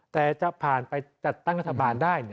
แต่จะผ่านไปจัดตั้งรัฐบาลได้